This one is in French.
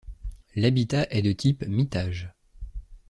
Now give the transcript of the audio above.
L'habitat est de type mitage.